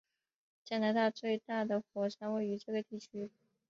加拿大最大的火山位于这个地区。